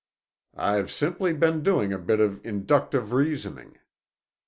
"I've simply been doing a bit of inductive reasoning.